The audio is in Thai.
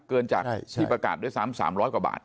เกินจากที่ประกาศด้วยซ้ำ๓๐๐กว่าบาท